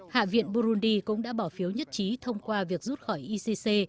hạ viện burundi cũng đã bỏ phiếu nhất trí thông qua việc rút khỏi icc